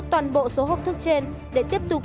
toàn bộ số hộp thuốc trên để tiếp tục